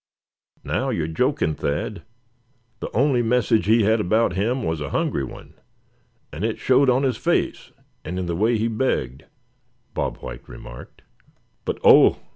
"Now you're joking, Thad; the only message he had about him was a hungry one, and it showed on his face and in the way he begged," Bob White remarked. "But, oh!